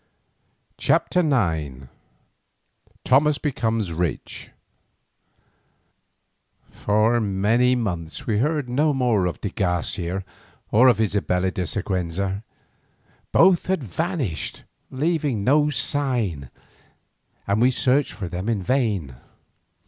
CHAPTER IX THOMAS BECOMES RICH For many months we heard no more of de Garcia or of Isabella de Siguenza. Both had vanished leaving no sign, and we searched for them in vain.